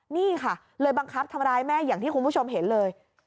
นี่ค่ะเลยบังคับทำร้ายแม่อย่างที่คุณผู้ชมเห็นเลย